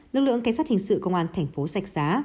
lực lượng cảnh sát hình sự công an thành phố sạch giá